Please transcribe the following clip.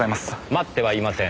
待ってはいません。